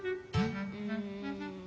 うん。